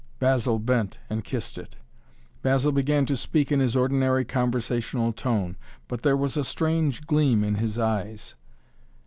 Basil bent and kissed it. Basil began to speak in his ordinary, conversational tone, but there was a strange gleam in his eyes.